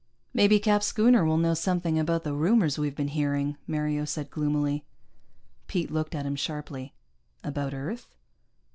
"Maybe Cap Schooner will know something about the rumors we've been hearing," Mario said gloomily. Pete looked at him sharply. "About Earth?"